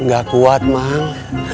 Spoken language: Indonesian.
gak kuat mak